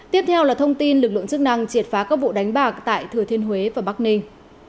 tiếp theo là thông tin lực lượng chức năng triệt phá các vụ đánh bạc tại thừa thiên huế và bắc ninh